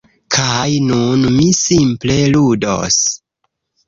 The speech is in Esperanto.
Kaj nun mi simple ludos.